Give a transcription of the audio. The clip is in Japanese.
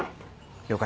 了解。